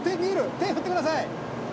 手振ってください！